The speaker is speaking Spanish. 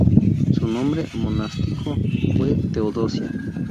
Su nombre monástico fue Teodosia.